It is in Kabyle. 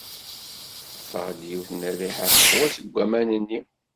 Teffeɣ-d yiwet n rriḥa teqwa seg aman-nni.